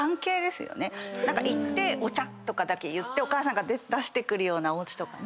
「お茶」とかだけ言ってお母さんが出してくるようなおうちとかね。